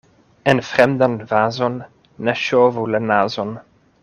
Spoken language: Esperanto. En fremdan vazon ne ŝovu la nazon.